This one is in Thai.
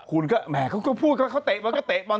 คุณก็แหมเขาก็พูดก็เขาเตะบอลก็เตะบอล